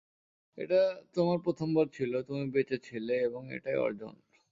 এটা তোমার প্রথমবার ছিল, তুমি বেঁচে ছিলে, এবং এটাই অর্জন।